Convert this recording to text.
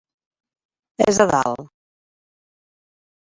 És a dalt.